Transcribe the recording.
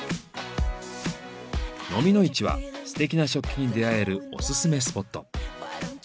のみの市はすてきな食器に出会えるオススメスポット。